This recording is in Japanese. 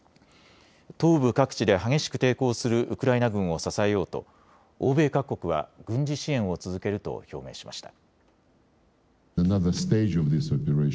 東部各地で激しく抵抗するウクライナ軍を支えようと欧米各国は軍事支援を続けると表明しました。